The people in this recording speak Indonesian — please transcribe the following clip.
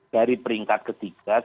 dari peringkat ke tiga ke peringkat ke dua